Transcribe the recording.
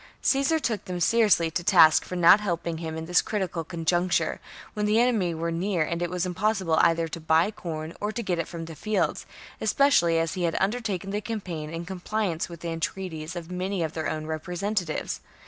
Caesar took them seriously to task for not helping him in this critical conjuncture, when the enemy were near and it was impossible either to buy corn or to get it from the fields, especially as he had undertaken the campaign in compliance with the entreaties of many of their own representatives.